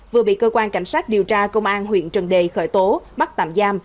vừa bị cơ quan cảnh sát điều tra công an huyện trần đề khởi tố bắt tạm giam